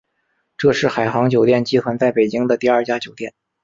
这是海航酒店集团在北京的第二家酒店。